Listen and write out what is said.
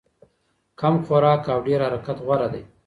کم خوراک او ډېر حرکت غوره دی.